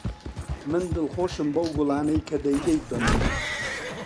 من دڵخۆشم بەو گوڵانەی کە دەیدەیت بە من.